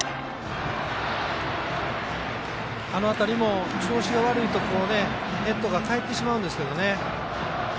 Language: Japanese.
あの辺りも調子が悪いとヘッドが返ってしまうんですけどね。